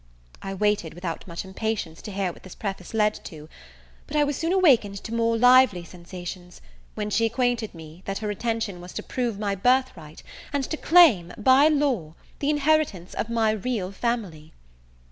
I waited, without much impatience, to hear what this preface led to; but I was soon awakened to more lively sensations, when she aquainted me, that her intention was to prove my birthright, and to claim, by law, the inheritance of my real family!